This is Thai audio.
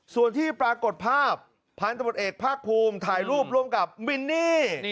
ส่วนที่ปรากฏภาพพันธบทเอกภาคภูมิถ่ายรูปร่วมกับมินนี่